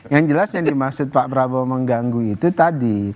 yang jelas yang dimaksud pak prabowo mengganggu itu tadi